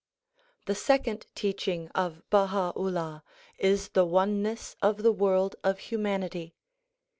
The second teaching of Baha 'Ullah is the oneness of the world of humanity.